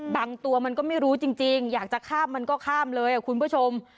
ตัวมันก็ไม่รู้จริงอยากจะข้ามมันก็ข้ามเลยคุณผู้ชม